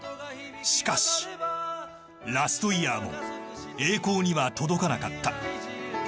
しかし、ラストイヤーも栄光には届かなかった。